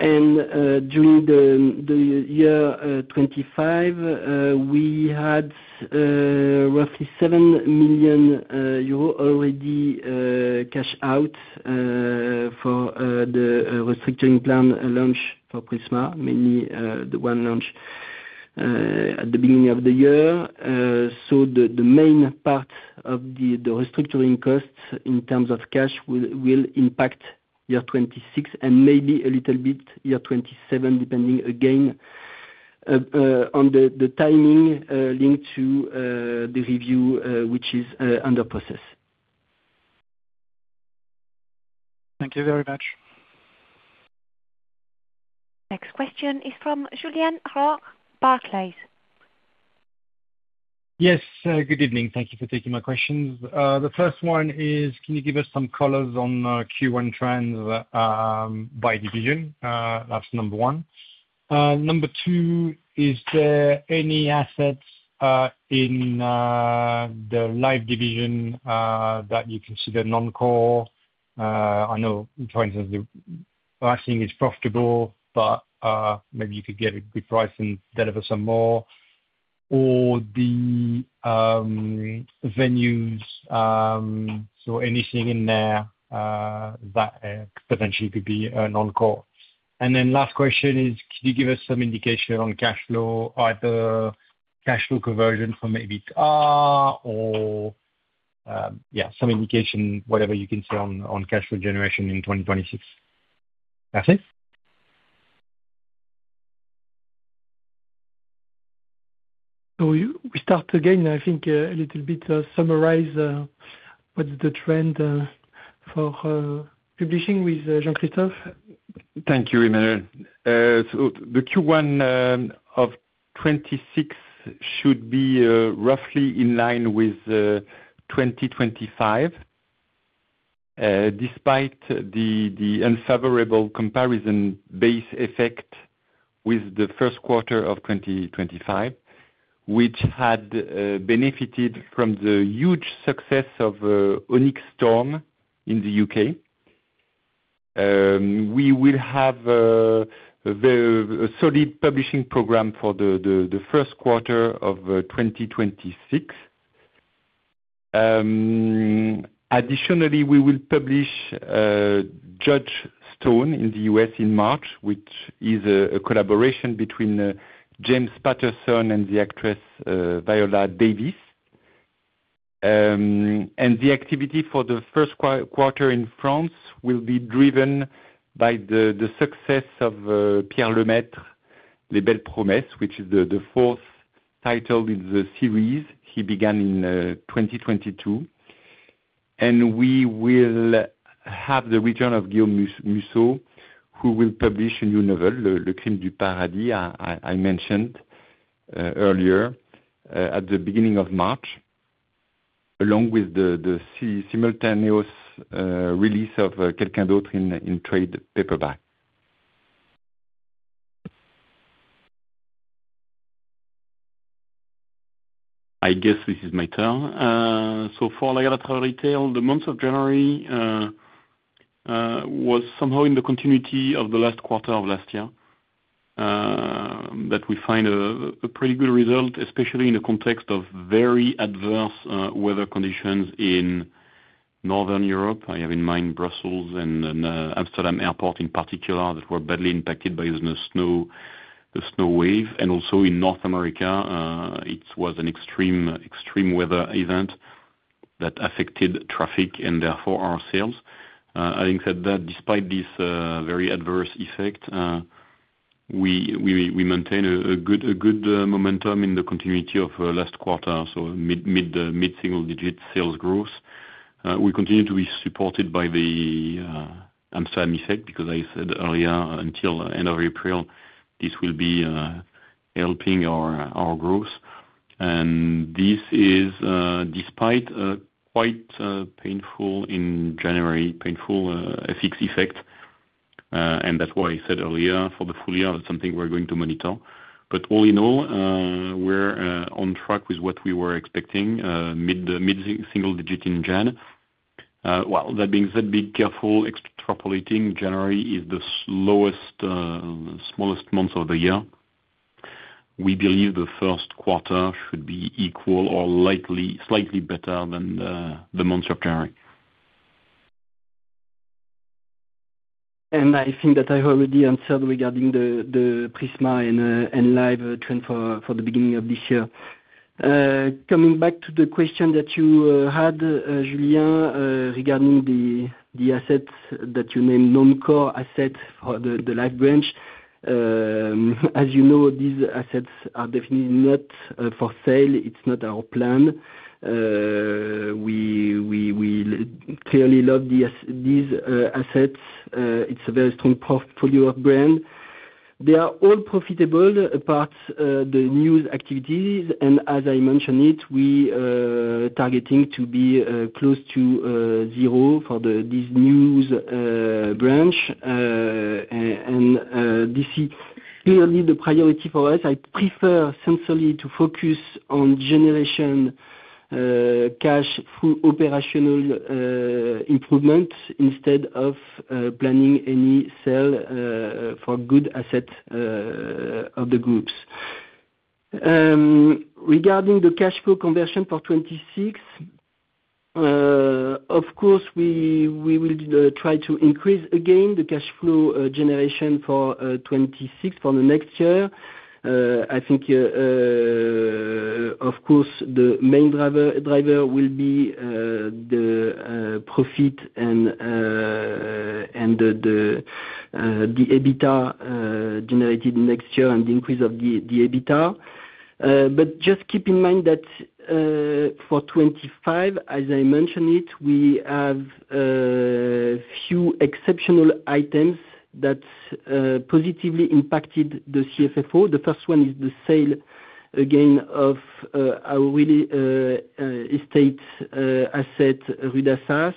During the year 2025, we had roughly 7 million euro already cash out for the restructuring plan launch for Prisma, mainly the one launch at the beginning of the year. The main part of the restructuring costs in terms of cash will impact year 2026 and maybe a little bit year 2027, depending again on the timing linked to the review which is under process. Thank you very much. Next question is from Julien Roch, Barclays. Yes, good evening. Thank you for taking my questions. The first one is, can you give us some colors on Q1 trends by division? That's number one. Number two, is there any assets in the Live division that you consider non-core? I know in terms of the last thing is profitable, but maybe you could get a good price and deliver some more, or the venues, so anything in there that potentially could be a non-core? And then last question is, can you give us some indication on cash flow, either cash flow conversion from EBITDA or yeah, some indication, whatever you can say on cash flow generation in 2026. That's it. So we start again, I think, a little bit to summarize what's the trend for publishing with Jean-Christophe. Thank you, Emmanuel. So the Q1 of 2026 should be roughly in line with 2025. Despite the unfavorable comparison base effect with the first quarter of 2025, which had benefited from the huge success of Onyx Storm in the U.K. We will have a solid publishing program for the first quarter of 2026. Additionally, we will publish Judge Stone in the U.S. in March, which is a collaboration between James Patterson and the actress Viola Davis. The activity for the first quarter in France will be driven by the success of Pierre Lemaitre, La Belle Promise, which is the fourth title in the series he began in 2022. And we will have the return of Guillaume Musso, who will publish a new novel, Le Crime du paradis, I mentioned earlier at the beginning of March, along with the simultaneous release of Quelqu'un d'autre in trade paperback. I guess this is my turn. So for Lagardère Travel Retail, the month of January was somehow in the continuity of the last quarter of last year that we find a pretty good result, especially in the context of very adverse weather conditions in Northern Europe. I have in mind Brussels and then Amsterdam Airport, in particular, that were badly impacted by the snow, the snow wave, and also in North America, it was an extreme weather event that affected traffic and therefore our sales. Having said that, despite this very adverse effect, we maintain a good momentum in the continuity of last quarter, so mid-single-digit sales growth. We continue to be supported by the Amsterdam effect, because I said earlier, until end of April, this will be helping our growth. And this is despite a quite painful FX effect in January, and that's why I said earlier, for the full year, that's something we're going to monitor. But all in all, we're on track with what we were expecting, mid-single digit in January. Well, that being said, be careful extrapolating, January is the slowest, smallest month of the year. We believe the first quarter should be equal or slightly better than the month of January. I think that I already answered regarding the Prisma and Live trend for the beginning of this year. Coming back to the question that you had, Julien, regarding the assets that you named non-core assets for the Live branch. As you know, these assets are definitely not for sale. It's not our plan. We clearly love these assets. It's a very strong portfolio of brand. They are all profitable, apart the news activities, and as I mentioned it, we targeting to be close to zero for this News branch. And this is clearly the priority for us. I prefer essentially to focus on generation cash through operational improvement, instead of planning any sale for good asset of the groups. Regarding the cash flow conversion for 2026, of course, we will try to increase again the cash flow generation for 2026 for the next year. I think, of course, the main driver will be the profit and the EBITDA generated next year and the increase of the EBITDA. But just keep in mind that for 2025, as I mentioned it, we have few exceptional items that positively impacted the CFFO. The first one is the sale again of our real estate asset with Assas,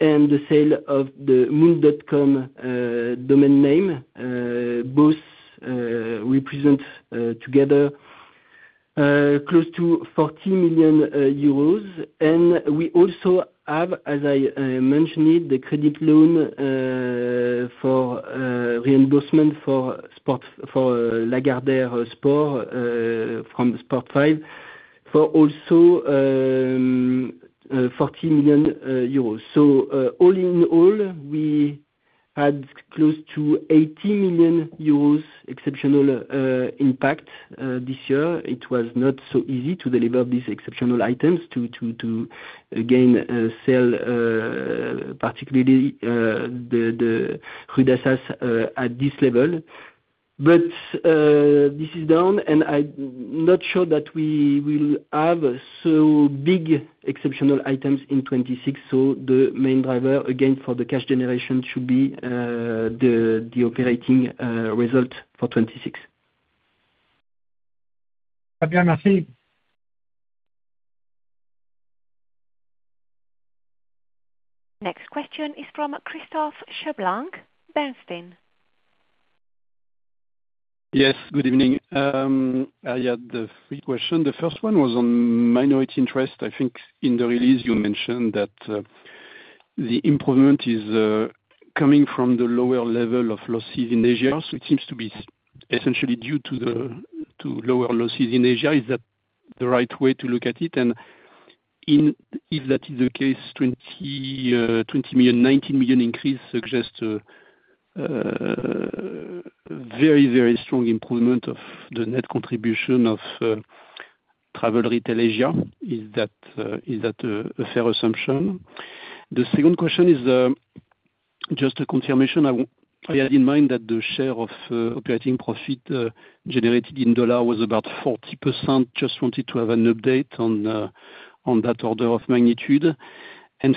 and the sale of the moon.com domain name. Both represent together close to 40 million euros. We also have, as I mentioned it, the credit loan for reimbursement for Lagardère Sports from SPORTFIVE for also 40 million euros. So all in all, we had close to 80 million euros exceptional impact this year. It was not so easy to deliver these exceptional items to again sell, particularly the Rue d'Assas at this level. But this is down, and I'm not sure that we will have so big exceptional items in 2026. So the main driver again for the cash generation should be the operating result for 2026. Fabien, merci. Next question is from Christophe Cherblanc, Bernstein. Yes, good evening. I had three question. The first one was on minority interest. I think in the release you mentioned that the improvement is coming from the lower level of losses in Asia, which seems to be essentially due to the lower losses in Asia. Is that the right way to look at it? And if that is the case, 20 million, 19 million increase suggest very, very strong improvement of the net contribution of Travel Retail Asia. Is that a fair assumption? The second question is just a confirmation. I had in mind that the share of operating profit generated in dollar was about 40%. Just wanted to have an update on that order of magnitude.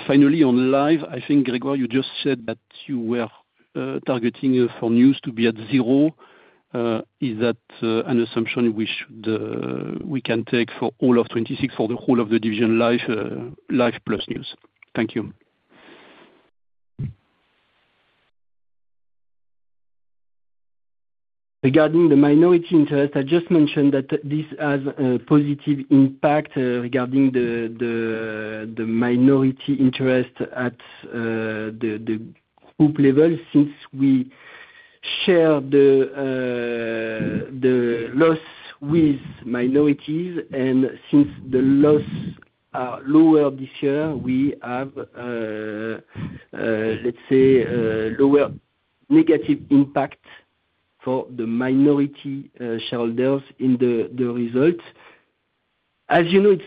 Finally, on Live, I think, Grégoire, you just said that you were targeting for News to be at zero. Is that an assumption which we can take for all of 2026, for the whole of the division Live, Live plus News? Thank you. Regarding the minority interest, I just mentioned that this has a positive impact regarding the minority interest at the group level, since we share the loss with minorities, and since the losses are lower this year, we have, let's say, lower negative impact for the minority shareholders in the results. As you know, it's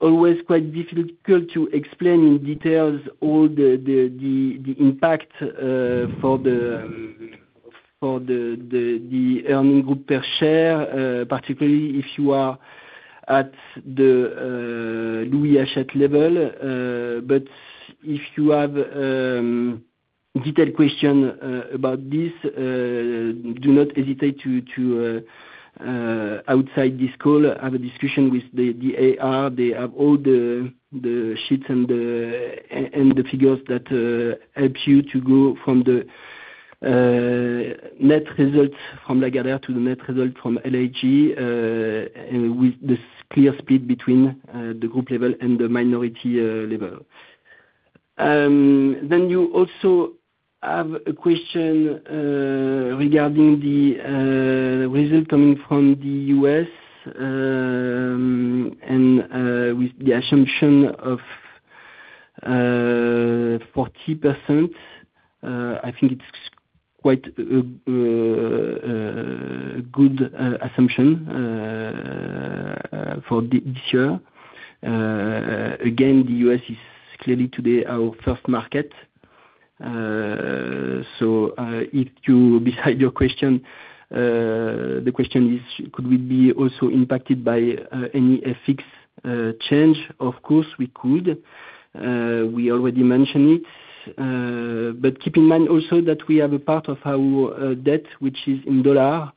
always quite difficult to explain in details all the impact for the earning group per share, particularly if you are at the Louis Hachette level. But if you have detailed question about this, do not hesitate to outside this call have a discussion with the IR. They have all the sheets and the figures that helps you to go from the net results from Lagardère to the net result from LHG, and with this clear split between the group level and the minority level. Then you also have a question regarding the result coming from the U.S., and with the assumption of 40%. I think it's quite good assumption for the this year. Again, the U.S. is clearly today our first market. So, if you -- beside your question, the question is: could we be also impacted by any FX change? Of course, we could. We already mentioned it. But keep in mind also that we have a part of our debt, which is in dollar.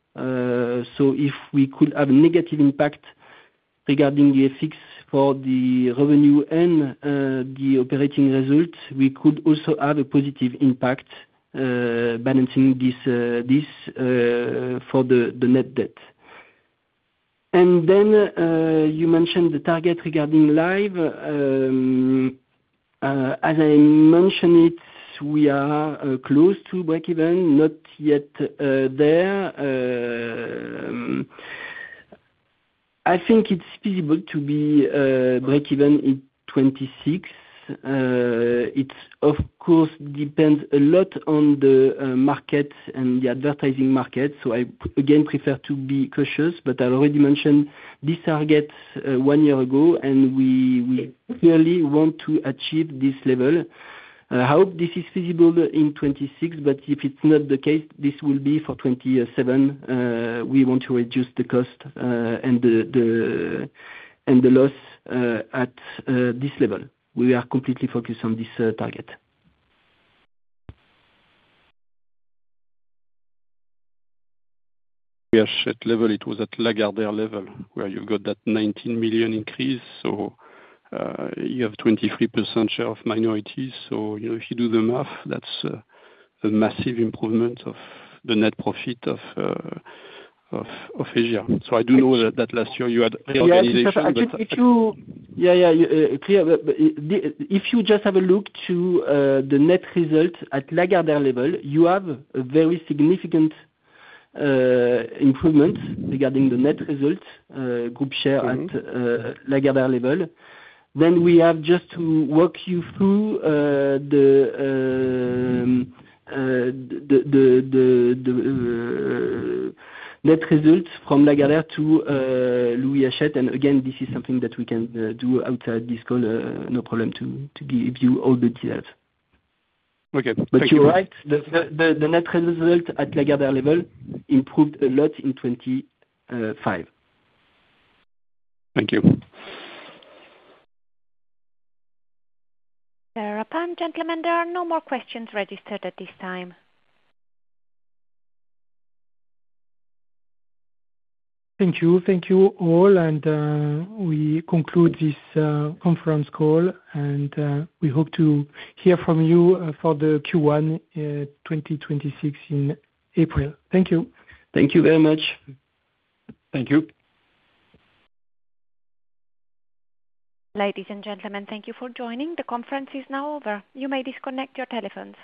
So if we could have a negative impact regarding the FX for the revenue and the operating results, we could also have a positive impact balancing this for the net debt. And then you mentioned the target regarding Live. As I mentioned it, we are close to breakeven, not yet there. I think it's feasible to be breakeven in 2026. It of course depends a lot on the market and the advertising market, so I again prefer to be cautious. But I already mentioned this target one year ago, and we clearly want to achieve this level. I hope this is feasible in 2026, but if it's not the case, this will be for 2027. We want to reduce the cost, and the loss, at this level. We are completely focused on this target. Yeah, Hachette level, it was at Lagardère level, where you've got that 19 million increase, so, you have 23% share of minorities. So, you know, if you do the math, that's a massive improvement of the net profit of Asia. So I do know that last year you had reorganization, but- Yeah, yeah. If you just have a look to the net result at Lagardère level, you have a very significant improvement regarding the net result group share at Lagardère level. Then we have just to walk you through the net result from Lagardère to Louis Hachette. And again, this is something that we can do outside this call. No problem to give you all the details. Okay. But you're right. The net result at Lagardère level improved a lot in 2025. Thank you. Gentlemen, there are no more questions registered at this time. Thank you. Thank you all, and we conclude this conference call, and we hope to hear from you for the Q1 2026 in April. Thank you. Thank you very much. Thank you. Ladies and gentlemen, thank you for joining. The conference is now over. You may disconnect your telephones.